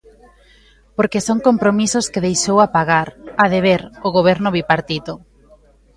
Porque son compromisos que deixou a pagar, a deber, o Goberno bipartito.